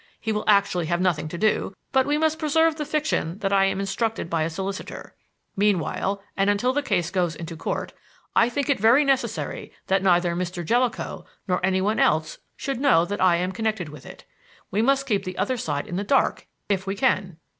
He will actually have nothing to do, but we must preserve the fiction that I am instructed by a solicitor. Meanwhile, and until the case goes into court, I think it very necessary that neither Mr. Jellicoe nor anyone else should know that I am connected with it. We must keep the other side in the dark, if we can."